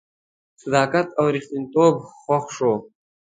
صداقت او ریښتینتوب خوښ شو.